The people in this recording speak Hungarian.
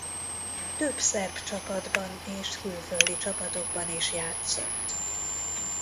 Több szerb csapatban és külföldi csapatokban is játszott.